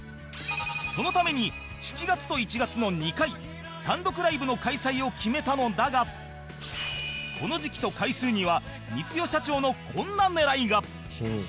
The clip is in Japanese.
そのために７月と１月の２回単独ライブの開催を決めたのだがこの時期と回数には光代社長のこんな狙いが